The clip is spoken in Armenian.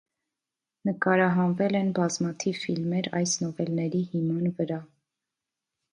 Նկարահանվել են բազմաթիվ ֆիլմեր այս նովելների հիման վրա։